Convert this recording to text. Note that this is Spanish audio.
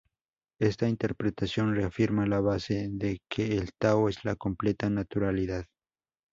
Esta interpretación reafirma la base de que el tao es la completa naturalidad.